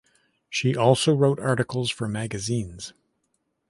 She also wrote articles for magazines.